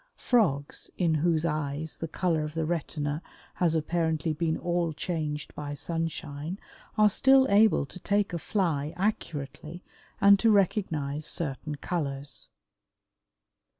Frogs in whose eyes the color of the retina has apparently been all changed by sunshine are still able to take a fly accurately and to recognize certain colors.